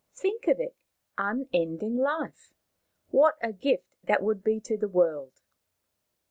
Think of it. Unending Life ! What a gift that would be to the world